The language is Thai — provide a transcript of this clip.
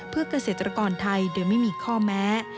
เพื่อเกษตรกรไทยโดยไม่มีข้อแม้